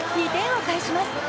２点を返します。